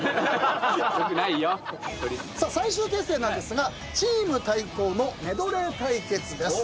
さあ最終決戦なんですがチーム対抗のメドレー対決です。